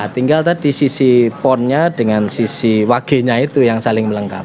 tinggal tadi sisi ponnya dengan sisi wage nya itu yang saling melengkapi